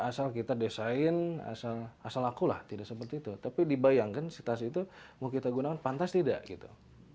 asal kita desain asal aku lah tidak seperti itu tapi dibayangkan si tas itu mau kita gunakan pantas tidak gitu